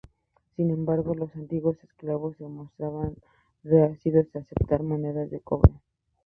Sin embargo, los antiguos esclavos se mostraban reacios a aceptar monedas de cobre.